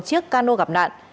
chiếc cano gặp nạn